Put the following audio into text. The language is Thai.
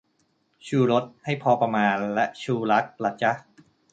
"ชูรส" ให้พอประมาณ แล้ว "ชูรัก" ล่ะจ๊ะ ?